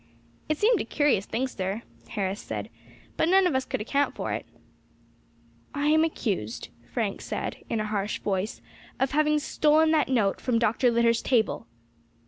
"It seemed a curious thing, sir," Harris said, "but none of us could account for it." "I am accused," Frank said, in a harsh voice, "of having stolen that note from Dr. Litter's table."